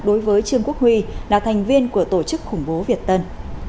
đối với trương quốc huy là thành viên của tổ chức khủng bố việt tân